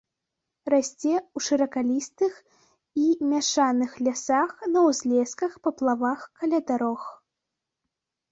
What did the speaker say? Расце ў шыракалістых і мяшаных лясах, на ўзлесках, паплавах, каля дарог.